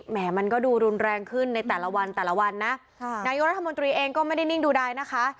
แหมมันก็ดูรุนแรงขึ้นในแต่ละวันแต่ละวันนะนายกรัฐมนตรีเองก็ไม่ได้นิ่งดูดายนะคะ